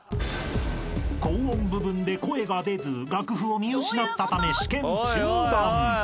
［高音部分で声が出ず楽譜を見失ったため試験中断］